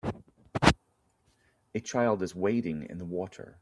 A child is wading in the water.